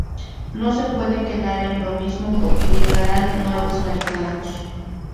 No se puede quedar en lo mismo porque llegaran nuevos mercados.